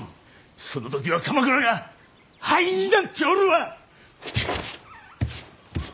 その時は鎌倉が灰になっておるわ！